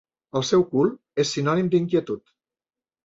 El seu cul és sinònim d'inquietud.